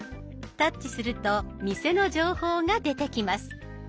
タッチすると店の情報が出てきます。